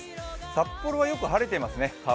札幌はよく晴れていますね。